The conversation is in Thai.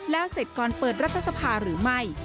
แล้วเสร็จก่อนเปิดรัฐสภาหรือไม่